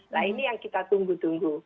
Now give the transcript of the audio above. nah ini yang kita tunggu tunggu